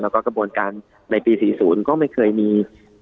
แล้วก็กระบวนการในปี๔๐ก็ไม่เคยมี